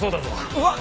うわっ！